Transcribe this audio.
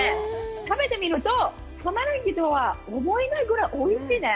食べてみると、タマネギとは思えないぐらいおいしいね。